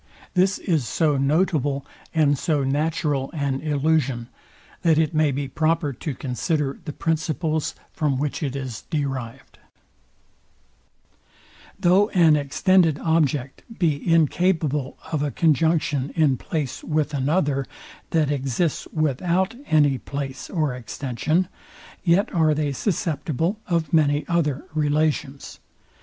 This is so notable and so natural an illusion, that it may be proper to consider the principles, from which it is derived. Though an extended object be incapable of a conjunction in place with another, that exists without any place or extension, yet are they susceptible of many other relations.